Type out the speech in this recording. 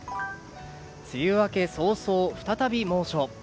梅雨明け早々、再び猛暑。